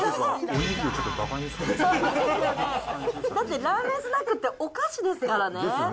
だってラーメンスナックってですね。